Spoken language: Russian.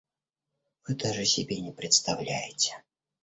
Вы даже себе не представляете.